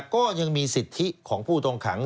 ก็ยังมีสิทธิของผู้ต้องขัง